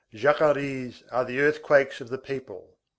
Jacqueries are earthquakes of the people.